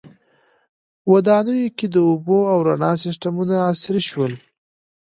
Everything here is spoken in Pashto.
• ودانیو کې د اوبو او رڼا سیستمونه عصري شول.